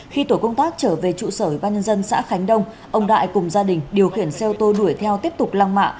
khi tổ công tác trở về trụ sở ban nhân dân xã khánh đông ông đại cùng gia đình điều khiển xe ô tô đuổi theo tiếp tục lăng mạ